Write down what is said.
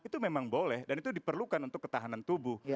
itu memang boleh dan itu diperlukan untuk ketahanan tubuh